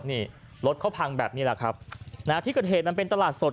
นี่รถเขาพังแบบนี้แหละครับนะฮะที่เกิดเหตุมันเป็นตลาดสด